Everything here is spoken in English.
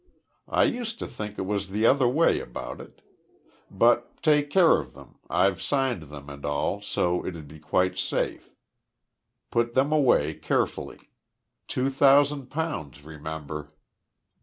I used to think it was the other way about. But take care of them, I've signed them, and all, so it'd be quite safe. Put them away carefully. Two thousand pounds, remember."